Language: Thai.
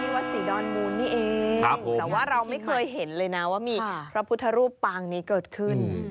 วัดศรีดอนมูลนี่เองแต่ว่าเราไม่เคยเห็นเลยนะว่ามีพระพุทธรูปปางนี้เกิดขึ้น